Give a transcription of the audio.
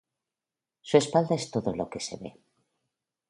Su espalda es todo lo que se ve.